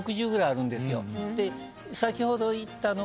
先ほど言ったのは。